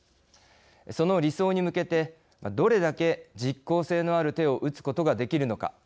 その理想に向けてどれだけ実効性のある手を打つことができるのか。